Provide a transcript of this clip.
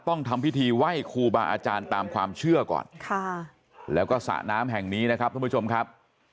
ต้องทำพิธีไหว้ครูบาอาจารย์ตามความเชื่อก่อนค่ะแล้วก็สระน้ำแห่งนี้นะครับท่านผู้ชมครับ